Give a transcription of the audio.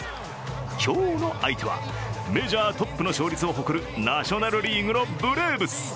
今日の相手はメジャートップの勝率を誇るナショナル・リーグのブレーブス。